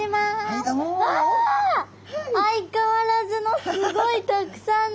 相変わらずのすごいたくさんの！